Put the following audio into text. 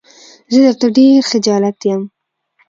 زه درته ډېر خجالت يم.